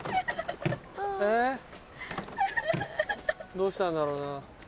どうしたんだろうな。